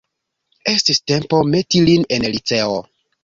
Estis tempo meti lin en liceon.